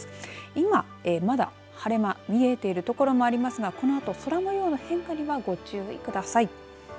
今まだ晴れ間、見えている所もありますがこのあと空もようの変化にはご注意ください。